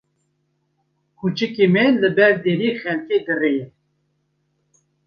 Kuçikê me li ber deriyê xelkê direye.